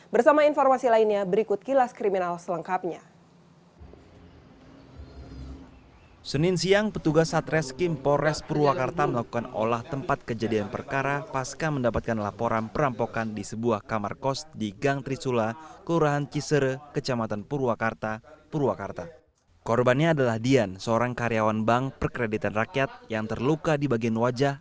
bersama informasi lainnya berikut kilas kriminal selengkapnya